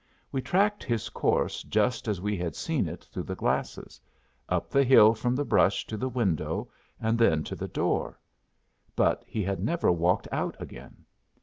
We tracked his course just as we had seen it through the glasses: up the hill from the brush to the window, and then to the door. But he had never walked out again.